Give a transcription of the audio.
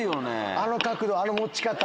あの角度、あの持ち方。